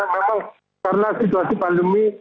memang karena situasi pandemi